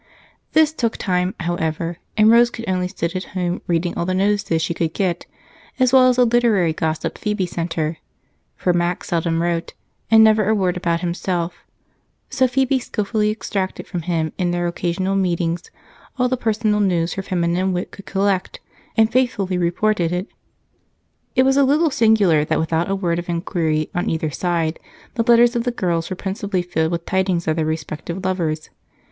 This took time, however, and Rose could only sit at home reading all the notices she could get, as well as the literary gossip Phebe sent her, for Mac seldom wrote, and never a word about himself, so Phebe skillfully extracted from him in their occasional meetings all the personal news her feminine wit could collect and faithfully reported it. It was a little singular that without a word of inquiry on either side, the letters of the girls were principally filled with tidings of their respective lovers.